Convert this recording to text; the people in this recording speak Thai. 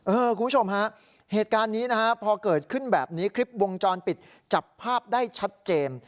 คุณผู้ชมฮะเหตุการณ์นี้นะฮะพอเกิดขึ้นแบบนี้คลิปวงจรปิดจับภาพได้ชัดเจน